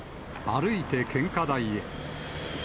歩いて献花台へ。